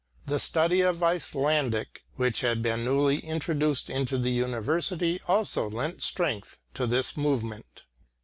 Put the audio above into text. The study of Icelandic, which had been newly introduced into the university, also lent strength to this movement.